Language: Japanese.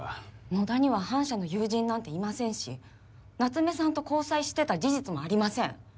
野田には反社の友人なんていませんし夏目さんと交際してた事実もありません。